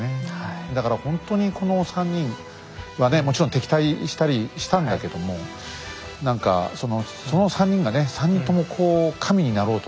だからほんとにこの３人はねもちろん敵対したりしたんだけども何かその３人がね３人ともこう神になろうとしたっていうのが面白いですよね。